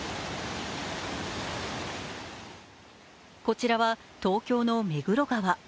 こちらは東京の目黒川。